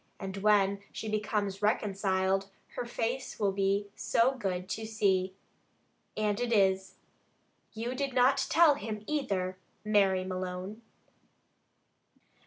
And when she becomes reconciled, her face will be so good to see.' And it is. You did not tell him either, Mary Malone!"